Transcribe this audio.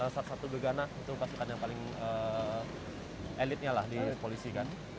satu satu gegana itu pasukan yang paling elitnya lah di polisi kan